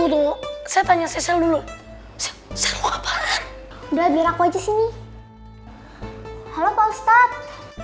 dulu saya tanya sesuai dulu saya ngapain udah biar aku aja sini halo pak ustadz